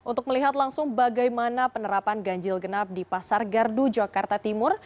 untuk melihat langsung bagaimana penerapan ganjil genap di pasar gardu jakarta timur